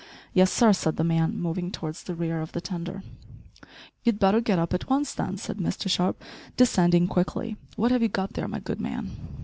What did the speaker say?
"Yes, sir," said the man, moving towards the rear of the tender. "You'd better get up at once, then," said Mr Sharp, descending quickly "what have you got there, my good man?"